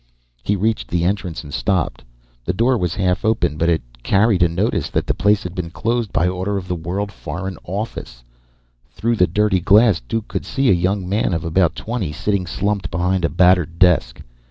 He reached the entrance and stopped. The door was half open, but it carried a notice that the place had been closed by order of the World Foreign Office. Through the dirty glass, Duke could see a young man of about twenty sitting slumped behind a battered desk.